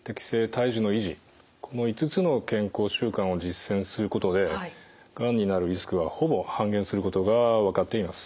この５つの健康習慣を実践することでがんになるリスクはほぼ半減することが分かっています。